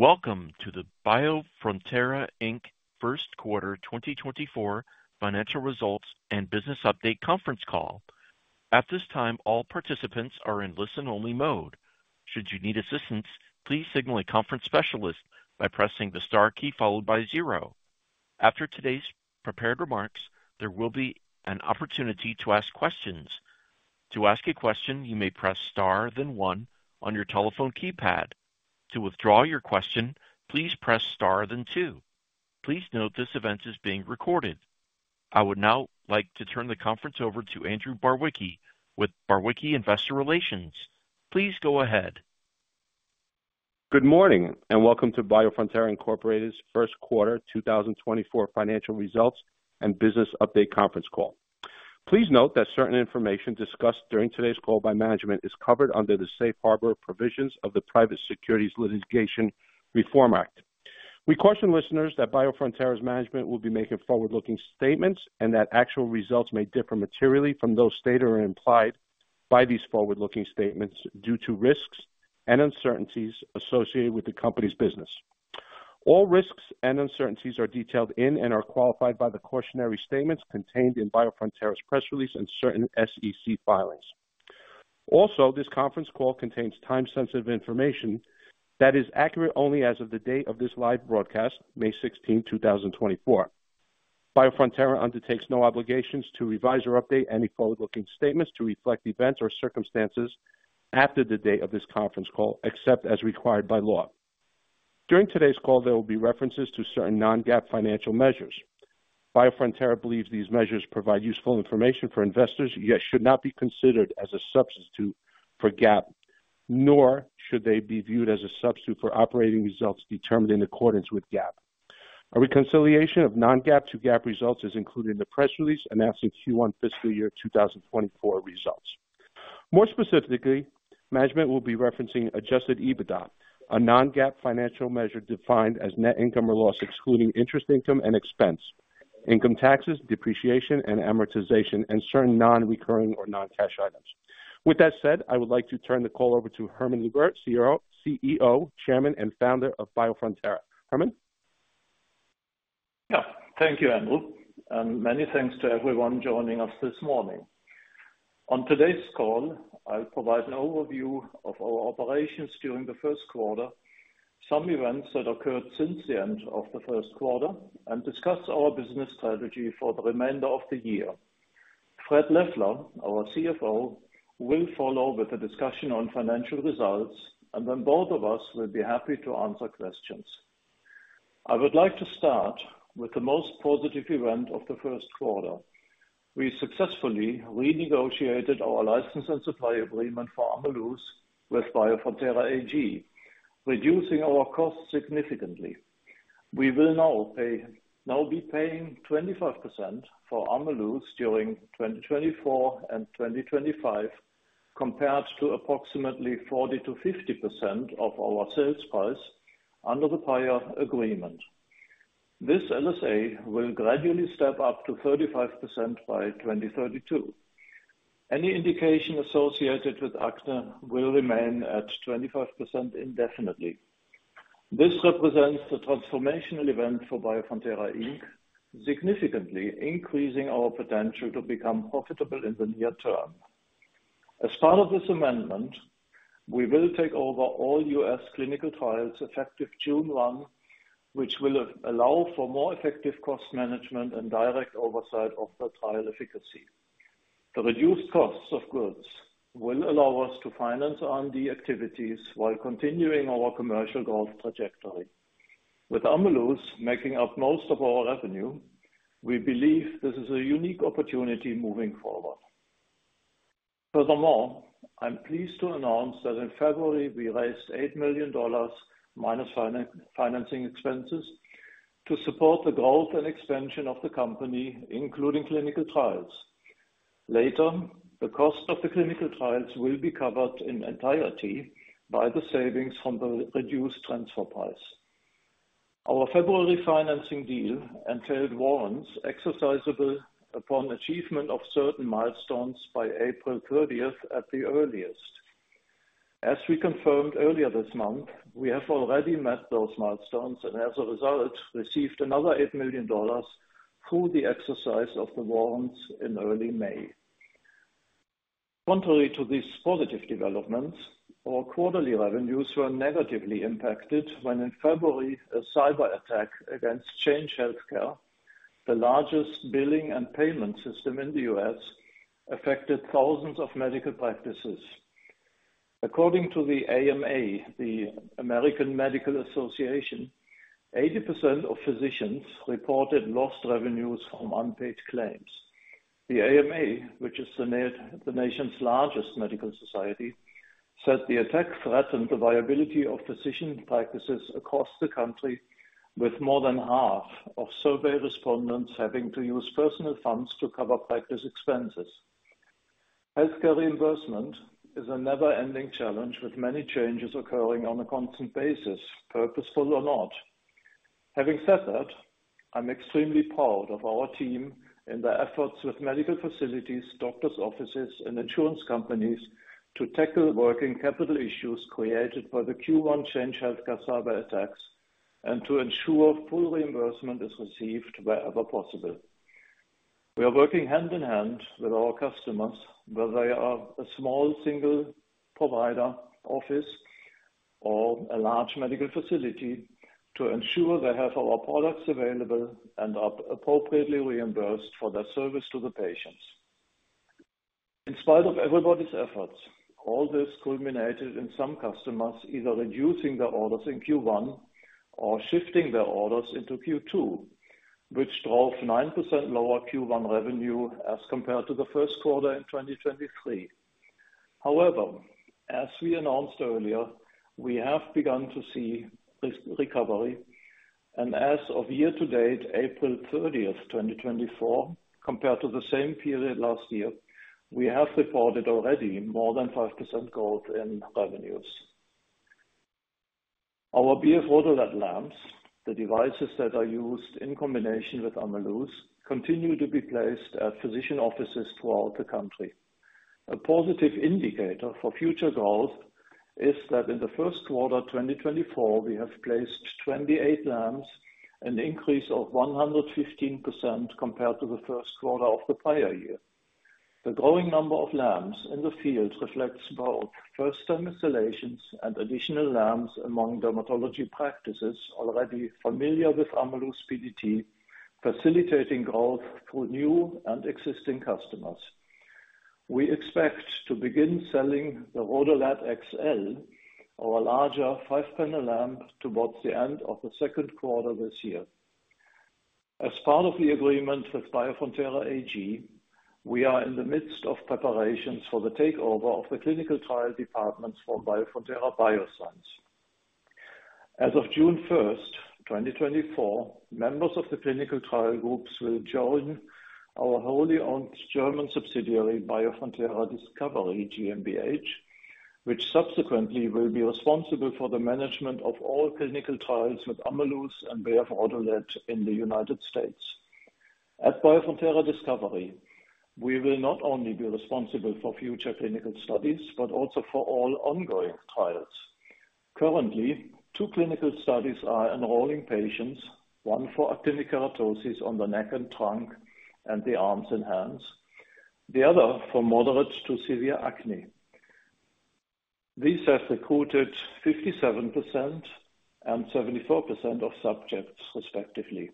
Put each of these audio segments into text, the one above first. Welcome to the Biofrontera Inc. First Quarter 2024 Financial Results and Business Update Conference Call. At this time, all participants are in listen-only mode. Should you need assistance, please signal a conference specialist by pressing the star key followed by zero. After today's prepared remarks, there will be an opportunity to ask questions. To ask a question, you may press star then one on your telephone keypad. To withdraw your question, please press star then two. Please note this event is being recorded. I would now like to turn the conference over to Andrew Barwicki with Barwicki Investor Relations. Please go ahead. Good morning, and welcome to Biofrontera Incorporated's first quarter 2024 financial results and business update conference call. Please note that certain information discussed during today's call by management is covered under the safe harbor provisions of the Private Securities Litigation Reform Act. We caution listeners that Biofrontera's management will be making forward-looking statements and that actual results may differ materially from those stated or implied by these forward-looking statements due to risks and uncertainties associated with the company's business. All risks and uncertainties are detailed in and are qualified by the cautionary statements contained in Biofrontera's press release and certain SEC filings. Also, this conference call contains time-sensitive information that is accurate only as of the date of this live broadcast, May 16th, 2024. Biofrontera undertakes no obligations to revise or update any forward-looking statements to reflect events or circumstances after the date of this conference call, except as required by law. During today's call, there will be references to certain non-GAAP financial measures. Biofrontera believes these measures provide useful information for investors, yet should not be considered as a substitute for GAAP, nor should they be viewed as a substitute for operating results determined in accordance with GAAP. A reconciliation of non-GAAP to GAAP results is included in the press release announcing Q1 fiscal year 2024 results. More specifically, management will be referencing adjusted EBITDA, a non-GAAP financial measure defined as net income or loss, excluding interest income and expense, income taxes, depreciation and amortization, and certain non-recurring or non-cash items. With that said, I would like to turn the call over to Hermann Luebbert, CEO, chairman, and founder of Biofrontera. Hermann? Yeah. Thank you, Andrew, and many thanks to everyone joining us this morning. On today's call, I'll provide an overview of our operations during the first quarter, some events that occurred since the end of the first quarter, and discuss our business strategy for the remainder of the year. Fred Leffler, our CFO, will follow with a discussion on financial results, and then both of us will be happy to answer questions. I would like to start with the most positive event of the first quarter. We successfully renegotiated our license and supply agreement for Ameluz with Biofrontera AG, reducing our costs significantly. We will now be paying 25% for Ameluz during 2024 and 2025, compared to approximately 40%-50% of our sales price under the prior agreement. This LSA will gradually step up to 35% by 2032. Any indication associated with acne will remain at 25% indefinitely. This represents a transformational event for Biofrontera Inc., significantly increasing our potential to become profitable in the near term. As part of this amendment, we will take over all U.S. clinical trials effective June 1, which will allow for more effective cost management and direct oversight of the trial efficacy. The reduced costs of goods will allow us to finance R&D activities while continuing our commercial growth trajectory. With Ameluz making up most of our revenue, we believe this is a unique opportunity moving forward. Furthermore, I'm pleased to announce that in February, we raised $8 million minus financing expenses to support the growth and expansion of the company, including clinical trials. Later, the cost of the clinical trials will be covered in entirety by the savings from the reduced transfer price. Our February financing deal entailed warrants exercisable upon achievement of certain milestones by April thirtieth at the earliest. As we confirmed earlier this month, we have already met those milestones and, as a result, received another $8 million through the exercise of the warrants in early May. Contrary to these positive developments, our quarterly revenues were negatively impacted when, in February, a cyberattack against Change Healthcare, the largest billing and payment system in the U.S., affected thousands of medical practices. According to the AMA, the American Medical Association, 80% of physicians reported lost revenues from unpaid claims. The AMA, which is the nation's largest medical society, said the attack threatened the viability of physician practices across the country, with more than half of survey respondents having to use personal funds to cover practice expenses. Healthcare reimbursement is a never-ending challenge, with many changes occurring on a constant basis, purposeful or not. Having said that, I'm extremely proud of our team and their efforts with medical facilities, doctors' offices, and insurance companies to tackle working capital issues created by the Q1 Change Healthcare cyber attacks, and to ensure full reimbursement is received wherever possible. We are working hand in hand with our customers, whether they are a small single provider office or a large medical facility, to ensure they have our products available and are appropriately reimbursed for their service to the patients. In spite of everybody's efforts, all this culminated in some customers either reducing their orders in Q1 or shifting their orders into Q2, which drove 9% lower Q1 revenue as compared to the first quarter in 2023. However, as we announced earlier, we have begun to see this recovery, and as of year to date, April thirtieth, 2024, compared to the same period last year, we have reported already more than 5% growth in revenues. Our BF-RhodoLED lamps, the devices that are used in combination with Ameluz, continue to be placed at physician offices throughout the country. A positive indicator for future growth is that in the first quarter, 2024, we have placed 28 lamps, an increase of 115% compared to the first quarter of the prior year. The growing number of lamps in the field reflects both first-time installations and additional lamps among dermatology practices already familiar with Ameluz PDT, facilitating growth through new and existing customers. We expect to begin selling the RhodoLED XL, our larger five-panel lamp, towards the end of the second quarter this year. As part of the agreement with Biofrontera AG, we are in the midst of preparations for the takeover of the clinical trial departments for Biofrontera Bioscience. As of June 1st, 2024, members of the clinical trial groups will join our wholly owned German subsidiary, Biofrontera Discovery GmbH, which subsequently will be responsible for the management of all clinical trials with Ameluz and BF-RhodoLED in the United States. At Biofrontera Discovery, we will not only be responsible for future clinical studies, but also for all ongoing trials. Currently, two clinical studies are enrolling patients, one for actinic keratosis on the neck and trunk, and the arms and hands, the other for moderate to severe acne. These have recruited 57% and 74% of subjects, respectively.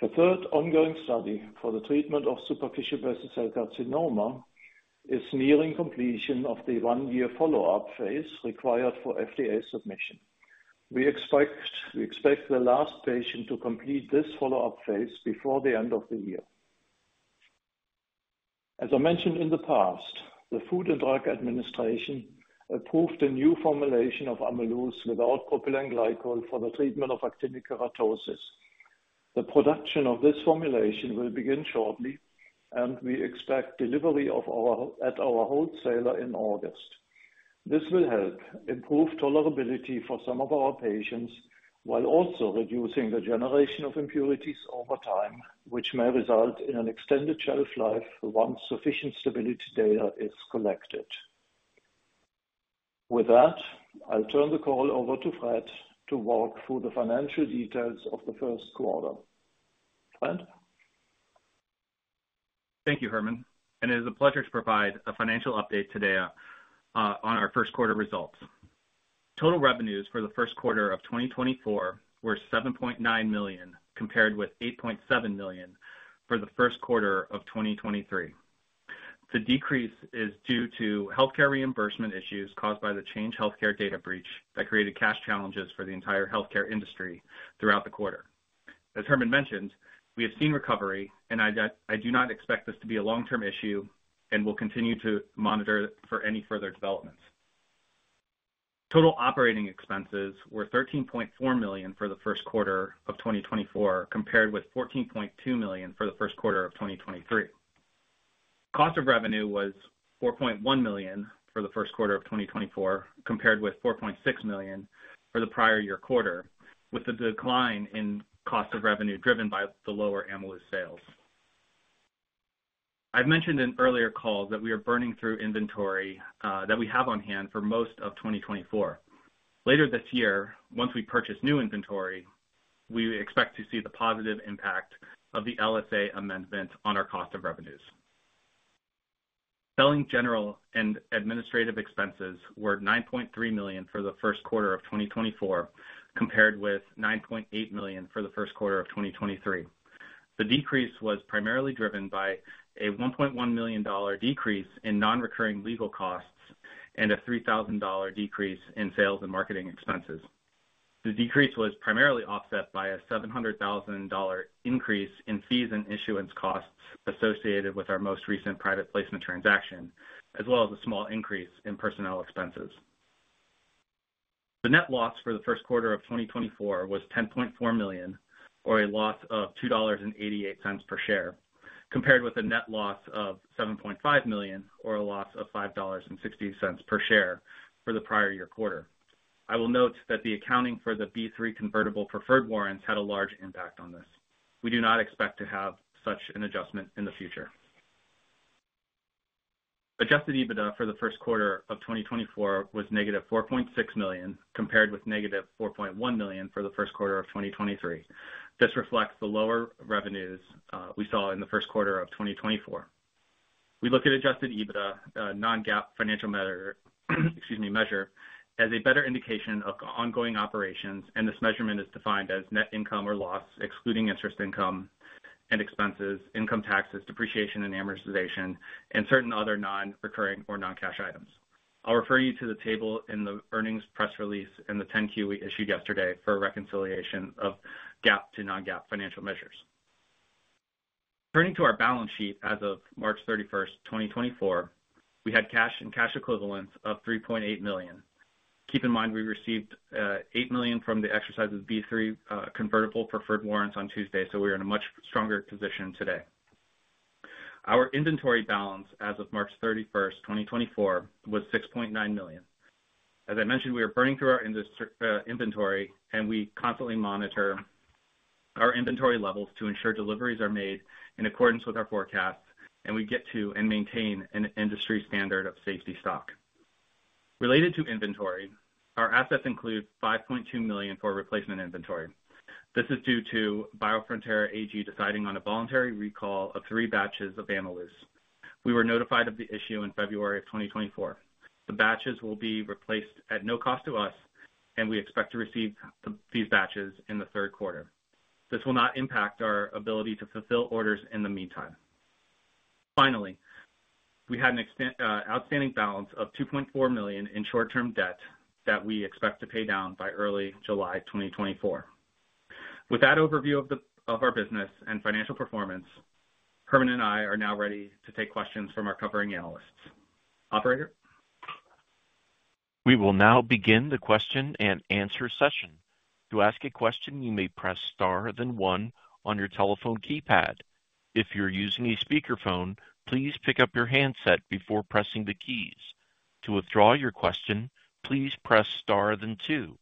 The third ongoing study for the treatment of superficial basal cell carcinoma is nearing completion of the 1-year follow-up phase required for FDA submission. We expect the last patient to complete this follow-up phase before the end of the year. As I mentioned in the past, the Food and Drug Administration approved a new formulation of Ameluz without propylene glycol for the treatment of actinic keratosis. The production of this formulation will begin shortly, and we expect delivery of ours at our wholesaler in August. This will help improve tolerability for some of our patients, while also reducing the generation of impurities over time, which may result in an extended shelf life once sufficient stability data is collected. With that, I'll turn the call over to Fred to walk through the financial details of the first quarter. Fred? Thank you, Hermann, and it is a pleasure to provide a financial update today on our first quarter results. Total revenues for the first quarter of 2024 were $7.9 million, compared with $8.7 million for the first quarter of 2023. The decrease is due to healthcare reimbursement issues caused by the Change Healthcare data breach that created cash challenges for the entire healthcare industry throughout the quarter. As Hermann mentioned, we have seen recovery, and I do not expect this to be a long-term issue and will continue to monitor for any further developments. Total operating expenses were $13.4 million for the first quarter of 2024, compared with $14.2 million for the first quarter of 2023. Cost of revenue was $4.1 million for the first quarter of 2024, compared with $4.6 million for the prior year quarter, with the decline in cost of revenue driven by the lower Ameluz sales. I've mentioned in earlier calls that we are burning through inventory that we have on hand for most of 2024. Later this year, once we purchase new inventory, we expect to see the positive impact of the LSA amendment on our cost of revenues. Selling general and administrative expenses were $9.3 million for the first quarter of 2024, compared with $9.8 million for the first quarter of 2023. The decrease was primarily driven by a $1.1 million decrease in non-recurring legal costs and a $3,000 decrease in sales and marketing expenses. The decrease was primarily offset by a $700,000 increase in fees and issuance costs associated with our most recent private placement transaction, as well as a small increase in personnel expenses. The net loss for the first quarter of 2024 was $10.4 million, or a loss of $2.88 per share... compared with a net loss of $7.5 million, or a loss of $5.60 per share for the prior year quarter. I will note that the accounting for the B3 convertible preferred warrants had a large impact on this. We do not expect to have such an adjustment in the future. Adjusted EBITDA for the first quarter of 2024 was -$4.6 million, compared with -$4.1 million for the first quarter of 2023. This reflects the lower revenues we saw in the first quarter of 2024. We look at Adjusted EBITDA, a non-GAAP financial measure, excuse me, measure, as a better indication of ongoing operations, and this measurement is defined as net income or loss, excluding interest income and expenses, income taxes, depreciation and amortization, and certain other non-recurring or non-cash items. I'll refer you to the table in the earnings press release and the 10-Q we issued yesterday for a reconciliation of GAAP to non-GAAP financial measures. Turning to our balance sheet, as of March 31st, 2024, we had cash and cash equivalents of $3.8 million. Keep in mind, we received $8 million from the exercise of B3 convertible preferred warrants on Tuesday, so we are in a much stronger position today. Our inventory balance as of March 31st, 2024, was $6.9 million. As I mentioned, we are burning through our inventory, and we constantly monitor our inventory levels to ensure deliveries are made in accordance with our forecasts, and we get to and maintain an industry standard of safety stock. Related to inventory, our assets include $5.2 million for replacement inventory. This is due to Biofrontera AG deciding on a voluntary recall of three batches of Ameluz. We were notified of the issue in February of 2024. The batches will be replaced at no cost to us, and we expect to receive these batches in the third quarter. This will not impact our ability to fulfill orders in the meantime. Finally, we had an outstanding balance of $2.4 million in short-term debt that we expect to pay down by early July 2024. With that overview of our business and financial performance, Hermann and I are now ready to take questions from our covering analysts. Operator? We will now begin the question and answer session. To ask a question, you may press star, then one on your telephone keypad. If you're using a speakerphone, please pick up your handset before pressing the keys. To withdraw your question, please press star, then two.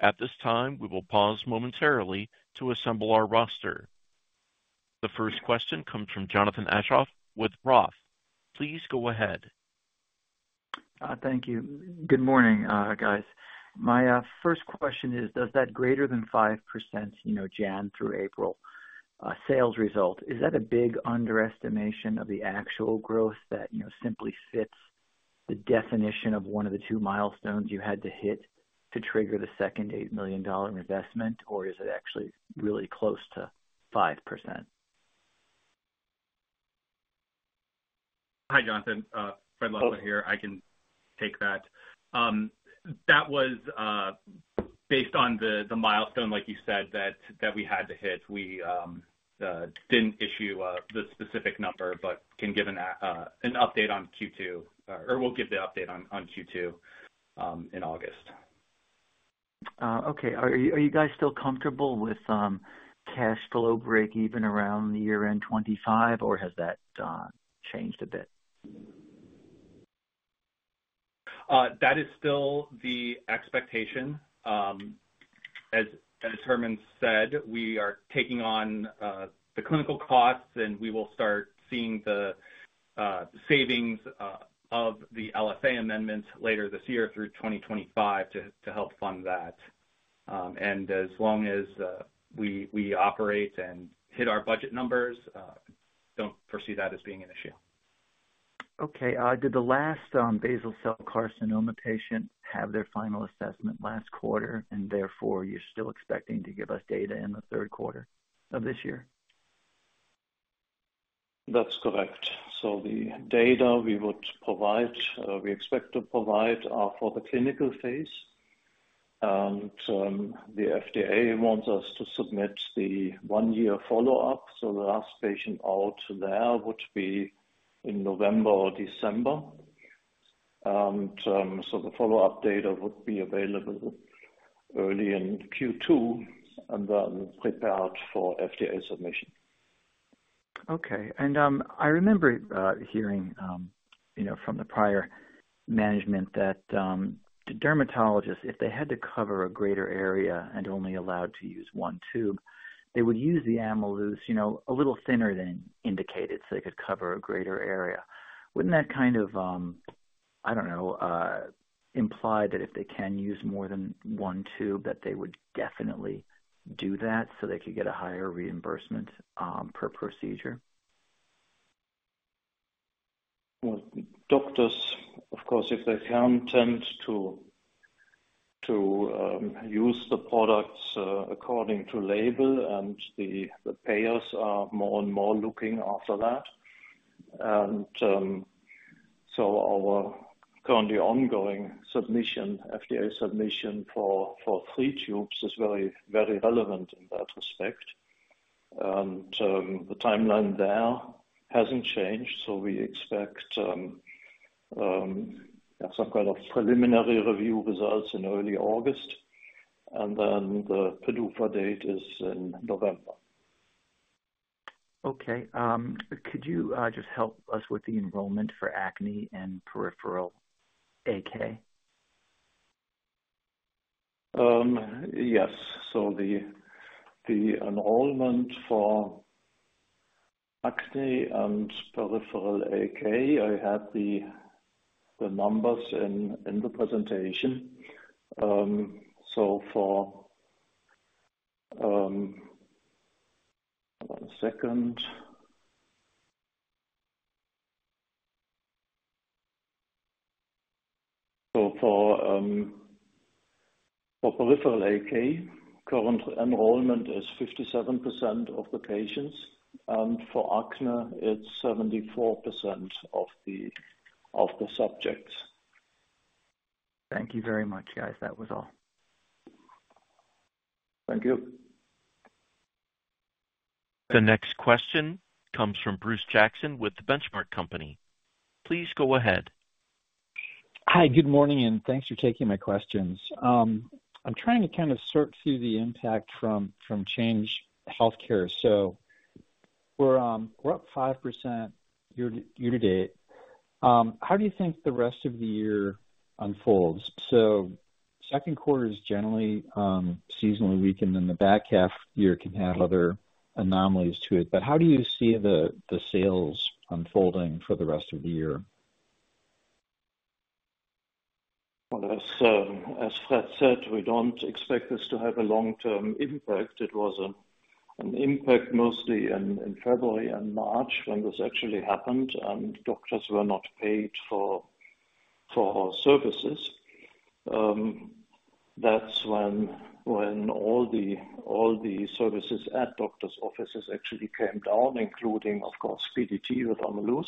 At this time, we will pause momentarily to assemble our roster. The first question comes from Jonathan Aschoff with Roth. Please go ahead. Thank you. Good morning, guys. My first question is, does that greater than 5%, you know, January through April, sales result, is that a big underestimation of the actual growth that, you know, simply fits the definition of one of the two milestones you had to hit to trigger the second $8 million investment? Or is it actually really close to 5%? Hi, Jonathan. Fred Leffler here. I can take that. That was based on the milestone, like you said, that we had to hit. We didn't issue the specific number, but can give an update on Q2, or we'll give the update on Q2 in August. Okay. Are you guys still comfortable with cash flow breakeven around the year-end 2025, or has that changed a bit? That is still the expectation. As Hermann said, we are taking on the clinical costs, and we will start seeing the savings of the LSA amendments later this year through 2025 to help fund that. And as long as we operate and hit our budget numbers, don't foresee that as being an issue. Okay. Did the last basal cell carcinoma patient have their final assessment last quarter, and therefore, you're still expecting to give us data in the third quarter of this year? That's correct. So the data we would provide, we expect to provide, for the clinical phase. And, the FDA wants us to submit the one-year follow-up. So the last patient out there would be in November or December. And, so the follow-up data would be available early in Q2, and then prepared for FDA submission. Okay. I remember hearing, you know, from the prior management that the dermatologists, if they had to cover a greater area and only allowed to use one tube, they would use the Ameluz, you know, a little thinner than indicated, so they could cover a greater area. Wouldn't that kind of, I don't know, imply that if they can use more than one tube, that they would definitely do that so they could get a higher reimbursement per procedure? Well, doctors, of course, if they can, tend to use the products according to label, and the payers are more and more looking after that. And, so our currently ongoing submission, FDA submission for three tubes is very, very relevant in that respect. And, the timeline there hasn't changed, so we expect some kind of preliminary review results in early August. And then the PDUFA date is in November. Okay. Could you just help us with the enrollment for acne and peripheral AK? Yes. So the enrollment for acne and peripheral AK, I have the numbers in the presentation. So for peripheral AK, current enrollment is 57% of the patients, and for acne, it's 74% of the subjects. Thank you very much, guys. That was all. Thank you. The next question comes from Bruce Jackson with The Benchmark Company. Please go ahead. Hi, good morning, and thanks for taking my questions. I'm trying to kind of sort through the impact from Change Healthcare. So we're up 5% year to date. How do you think the rest of the year unfolds? So second quarter is generally seasonally weakened, and the back half year can have other anomalies to it. But how do you see the sales unfolding for the rest of the year? Well, as Fred said, we don't expect this to have a long-term impact. It was an impact mostly in February and March, when this actually happened, and doctors were not paid for services. That's when all the services at doctor's offices actually came down, including, of course, PDT with Ameluz.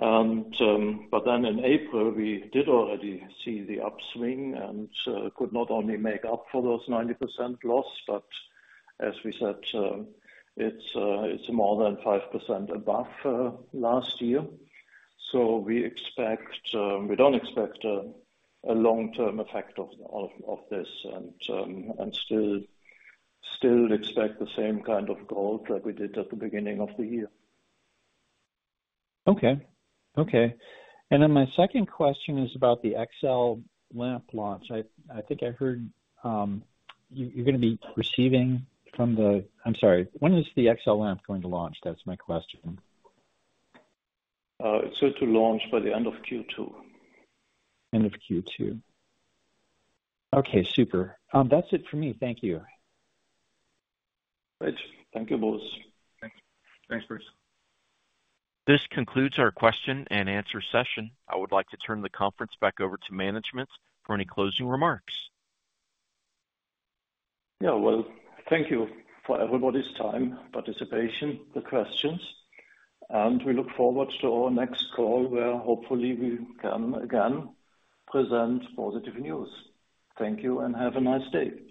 And, but then in April, we did already see the upswing and could not only make up for those 90% loss, but as we said, it's more than 5% above last year. So we expect, we don't expect a long-term effect of this and still expect the same kind of growth like we did at the beginning of the year. Okay. Okay. My second question is about the XL lamp launch. I think I heard you're gonna be receiving from the... I'm sorry, when is the XL lamp going to launch? That's my question. It's set to launch by the end of Q2. End of Q2. Okay, super. That's it for me. Thank you. Great. Thank you, Bruce. Thanks. Thanks, Bruce. This concludes our question and answer session. I would like to turn the conference back over to management for any closing remarks. Yeah, well, thank you for everybody's time, participation, the questions, and we look forward to our next call, where hopefully we can again present positive news. Thank you and have a nice day.